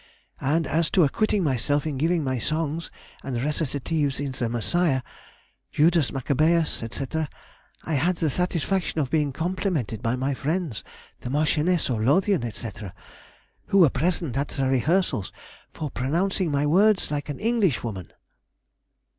And as to acquitting myself in giving my songs and recitatives in the 'Messiah,' 'Judas Maccabæus,' &c., I had the satisfaction of being complimented by my friends, the Marchioness of Lothian, &c., who were present at the rehearsals, for pronouncing my words like an Englishwoman."